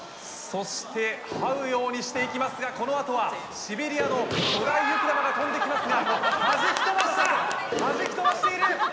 そしてはうようにしていきますがこのあとは、シベリアの巨大雪玉が飛んできますが弾き飛ばした、弾き飛ばしている！